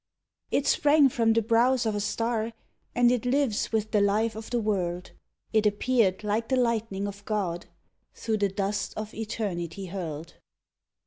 It sprang from the brows of a star And it lives with the life of the world, It appeared like the lightning of God Through the dust of Eternity hurled.